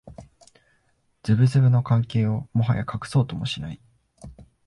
ズブズブの関係をもはや隠そうともしない